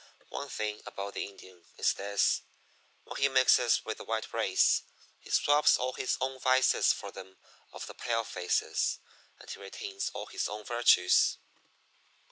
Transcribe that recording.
One thing about the Indian is this: when he mixes with the white race he swaps all his own vices for them of the pale faces and he retains all his own virtues.